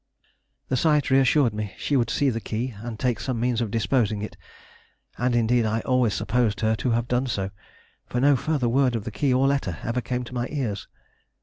The sight reassured me; she would see the key, and take some means of disposing of it; and indeed I always supposed her to have done so, for no further word of key or letter ever came to my ears.